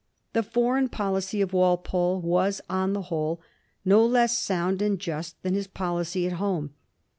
The foreign policy of Walpole was, on the whole, no less sound and just than his policy at home.